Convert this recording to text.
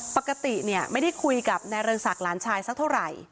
ปกติเนี่ยไม่ได้คุยกับนายเรืองศักดิ์หลานชายสักเท่าไหร่